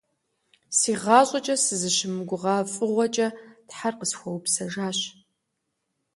ИгъащӀэкӀэ сызыщымыгугъа фӀыгъуэкӀэ Тхьэр къысхуэупсэжащ.